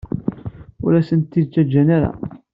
Ur as-t-id-ǧǧant ara.